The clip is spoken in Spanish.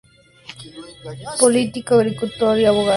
Político, agricultor y abogado chileno.